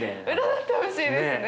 占ってほしいですね。